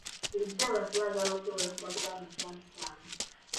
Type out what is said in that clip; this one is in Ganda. Bulijjo abantu baagala okwewola ku magoba amasaamusaamu.